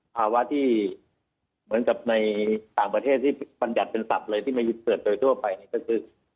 ภาวะที่เหมือนกับในต่างประเทศที่บรรยัติเป็นศัพท์เลยที่มาเปิดโดยทั่วไปก็คือ